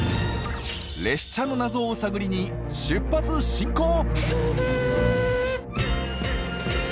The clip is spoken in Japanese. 列車の謎を探りに出発進行！